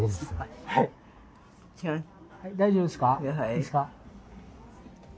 いいですか？